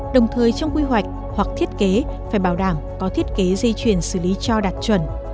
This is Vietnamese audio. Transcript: đồng thời trong quy hoạch hoặc thiết kế phải bảo đảm có thiết kế dây chuyển xử lý cho đạt chuẩn